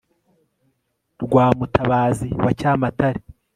rwa mutabazi wa cyamatare